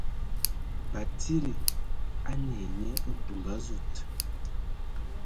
Batsidi a ne ai nye ntumba a zud.